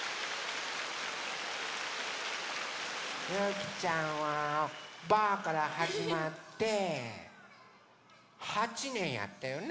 ゆきちゃんは「ばあっ！」からはじまって８ねんやったよね。